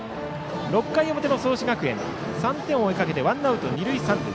６回表の創志学園３点を追いかけてワンアウト、二塁三塁。